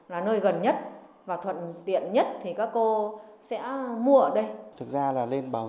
là nơi gần nhất và thuận tiện nhất thì các cô sẽ mua ở đây